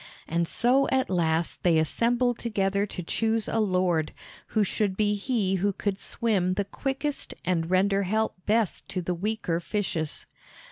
And so at last they assembled together to choose a lord, who should be he who could swim the quickest and render help best to the weaker fishes.